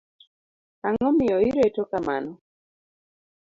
Ang'o miyo ireto kamano?